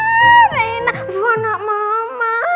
reina buah anak mama